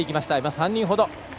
３人ほど。